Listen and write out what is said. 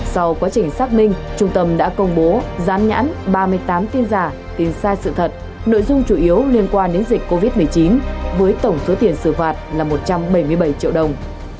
sau quá trình xác minh trung tâm đã công bố gián nhãn ba mươi tám tin giả tin sai sự thật nội dung chủ yếu liên quan đến dịch covid một mươi chín với tổng số tiền xử phạt là một trăm bảy mươi bảy triệu đồng